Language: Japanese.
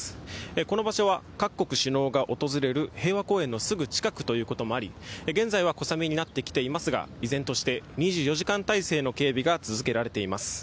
この場所は各国首脳が訪れる平和公園のすぐ近くということもあり現在は小雨になってきていますが依然として２４時間体制の警備が続けられています。